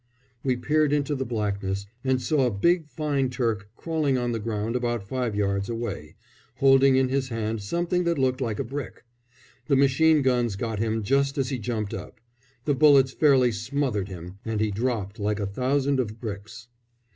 We peered into the blackness and saw a big fine Turk crawling on the ground about five yards away, holding in his hand something that looked like a brick. The machine guns got him just as he jumped up. The bullets fairly smothered him, and he dropped like a thousand of bricks.